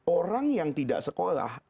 orang yang tidak sekolah